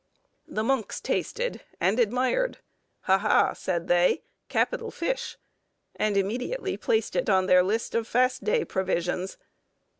The monks tasted and admired: "Ha! ha!" said they, "capital fish!" and immediately placed it on their list of fast day provisions.